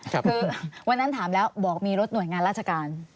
คือวันนั้นถามแล้วบอกมีรถหน่วยงานราชการ